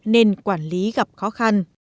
nên quản lý gặp khó khăn